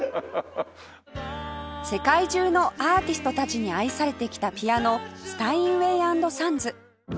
世界中のアーティストたちに愛されてきたピアノスタインウェイ＆サンズ